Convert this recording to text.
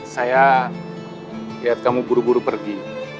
saya lihat kamu buru buru pergi